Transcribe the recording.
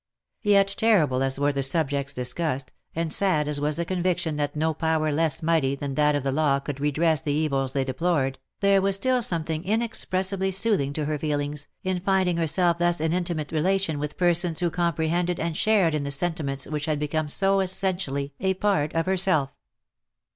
Yet terrible as were the subjects they discussed, and sad as was the conviction that no power less mighty than that of the law could redress the evils they deplored, there was still something inex pressibly soothing to her feelings, in finding herself thus in intimate relation with persons who comprehended and shared in the sentiments which had become so essentially a part of herself.